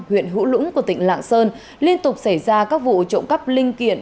huyện hữu lũng của tỉnh lạng sơn liên tục xảy ra các vụ trộm cắp linh kiện